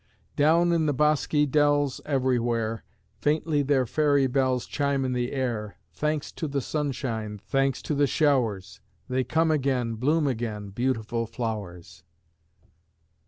Down in the bosky dells Everywhere, Faintly their fairy bells Chime in the air. Thanks to the sunshine! Thanks to the showers! They come again, bloom again, Beautiful flowers!